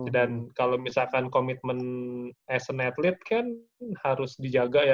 dan kalau misalkan komitmen as an athlete kan harus dijaga ya